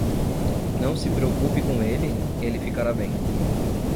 Não se preocupe com ele? ele ficará bem.